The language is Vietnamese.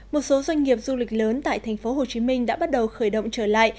một số doanh nghiệp du lịch lớn tại thành phố hồ chí minh đã bắt đầu khởi động trở lại